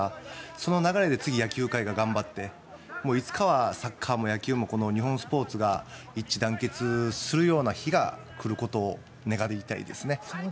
その流れで次、野球界が頑張っていつかはサッカーも野球もこの日本スポーツが一致団結するような日が来ることを願いたいですね。